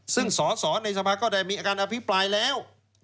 ซึ่งสอสอในสภาก็ได้มีการอภิปรายแล้ว